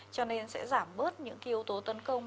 cho nên sẽ giảm bớt những yếu tố tấn công